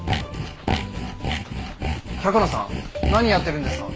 百野さん何やってるんですか？